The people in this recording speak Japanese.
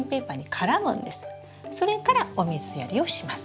それからお水やりをします。